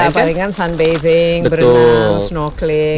ya palingan sunbathing berenang snorkeling